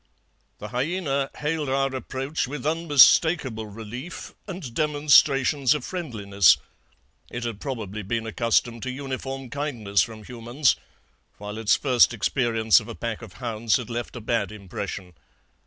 "The hyaena hailed our approach with unmistakable relief and demonstrations of friendliness. It had probably been accustomed to uniform kindness from humans, while its first experience of a pack of hounds had left a bad impression.